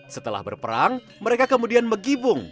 setelah berperang mereka kemudian menggibung